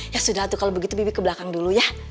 ya sudah kalo begitu bibi ke belakang dulu ya